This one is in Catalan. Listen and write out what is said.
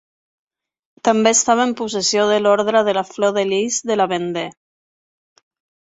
També estava en possessió de l'Orde de la Flor de Lis de la Vendée.